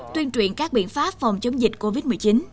tuyên truyền các biện pháp phòng chống dịch covid một mươi chín